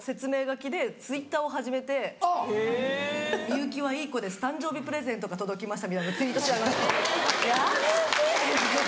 「幸はいい子です誕生日プレゼントが届きました」みたいなことツイートしやがるんですやめて。